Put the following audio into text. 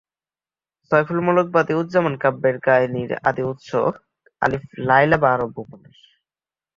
সয়ফুলমুলুক-বদিউজ্জামাল কাব্যের কাহিনীর আদি উৎস আলিফ লায়লা বা আরব্য উপন্যাস।